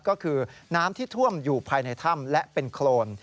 ก็คือน้ำที่ท่วมอยู่ภายในถ้ำและเป็นโครน